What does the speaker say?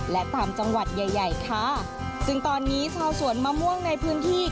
และตามจังหวัดใหญ่ใหญ่ค่ะซึ่งตอนนี้ชาวสวนมะม่วงในพื้นที่